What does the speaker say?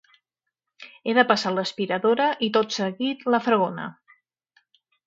He de passar l´aspiradora i tot seguit la fregona.